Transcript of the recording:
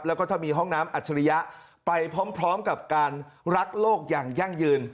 แล้วก็ถ้ามีห้องน้ำอัจฉริยะไปพร้อมกับการรักโลกอย่างยั่งยืน